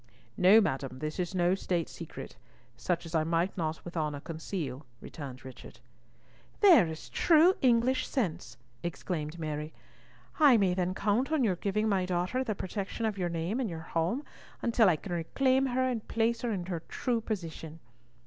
"No, madam, this is no state secret; such as I might not with honour conceal," returned Richard. "There is true English sense!" exclaimed Mary. "I may then count on your giving my daughter the protection of your name and your home until I can reclaim her and place her in her true position.